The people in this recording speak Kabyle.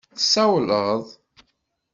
Tsawleḍ?